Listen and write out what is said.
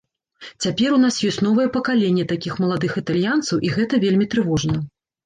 Цяпер у нас ёсць новае пакаленне такіх маладых італьянцаў, і гэта вельмі трывожна.